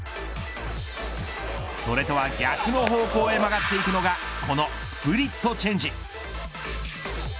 それとは逆の方向へ曲がっていくのがこのスプリットチェンジ。